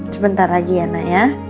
sebentar lagi ya nak ya